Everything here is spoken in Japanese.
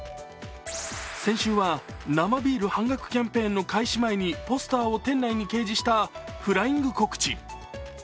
先週は生ビール半額キャンペーンの開始前にポスターを店内に掲示したフライング告知。